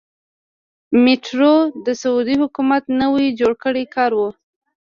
میټرو د سعودي حکومت نوی جوړ کړی کار و.